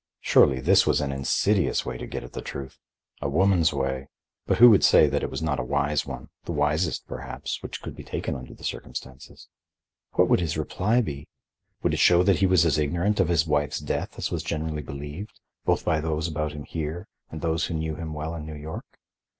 Surely, this was an insidious way to get at the truth,—a woman's way, but who would say it was not a wise one, the wisest, perhaps, which could be taken under the circumstances? What would his reply be? Would it show that he was as ignorant of his wife's death as was generally believed, both by those about him here and those who knew him well in New York?